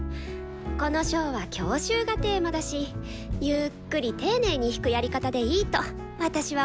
この章は「郷愁」がテーマだしゆっくり丁寧に弾くやり方でいいと私は思うな。